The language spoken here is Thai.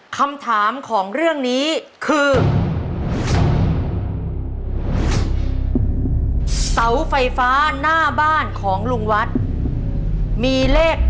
คำถามของเรื่องนี้คือ